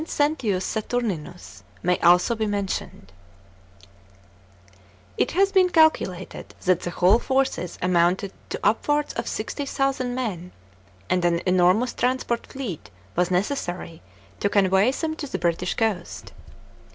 Sentius Saturninua may also be mentioned, It has been calculated that the whole forces amounted to up v ards cf sixty thousand men,* and an enormous transport fleet was neces ary to convey them to the British coast.